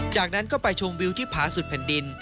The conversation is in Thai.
จากนั้นก็ไปชมวิวที่ผาสุดแผ่นดิน